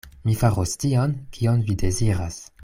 Mi faros tion, kion vi deziras.